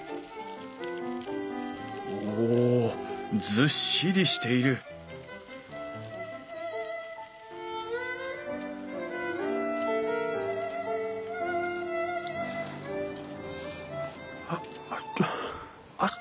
ずっしりしているあ熱っ。